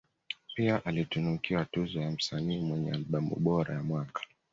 Pia alitunukiwa tuzo ya msanii mwenye albamu bora ya mwaka